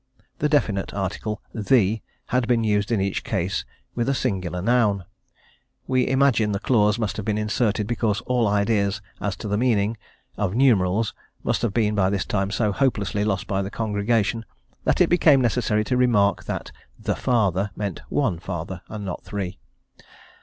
The definite article the had been used in each case with a singular noun. We imagine the clause must have been inserted because all ideas as to the meaning; of numerals must have been by this time so hopelessly lost by the congregation, that it became necessary to remark that "the Father" meant one Father, and not three.